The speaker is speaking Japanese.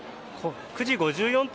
９時５４分